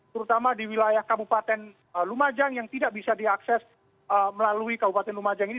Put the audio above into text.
terutama di wilayah kabupaten lumajang yang tidak bisa diakses melalui kabupaten lumajang ini